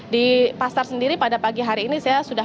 di pasar sendiri pada pagi hari ini saya sudah